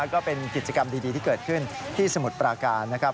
ก็เป็นกิจกรรมดีที่เกิดขึ้นที่สมุทรปราการนะครับ